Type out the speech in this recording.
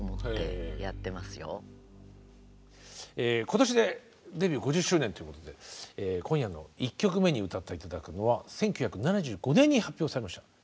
今年でデビュー５０周年ということで今夜の１曲目に歌って頂くのは１９７５年に発表されました